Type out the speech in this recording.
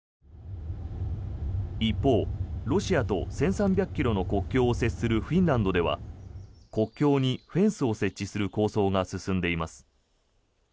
一方、ロシアと１３００ｋｍの国境を接するフィンランドでは国境にフェンスを設置する構想が進んでいます。